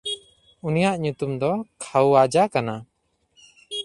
ᱩᱱᱤᱭᱟᱜ ᱧᱩᱛᱩᱢ ᱫᱚ ᱠᱷᱟᱣᱟᱡᱟ ᱠᱟᱱᱟ᱾